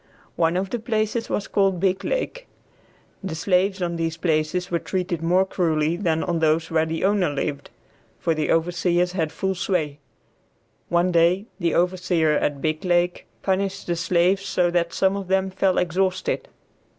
One of the places was called Biglake. The slaves on these places were treated more cruelly than on those where the owner lived, for the overseers had full sway. One day the overseer at Biglake punished the slaves so that some of them fell exhausted.